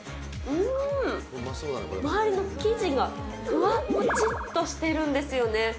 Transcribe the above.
うーん、周りの生地がふわっもちっとしてるんですよね。